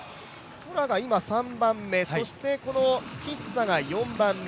トラが今３番目、そしてキッサが４番目。